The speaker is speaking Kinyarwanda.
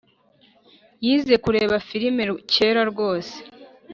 Yize kureba firime kera rwose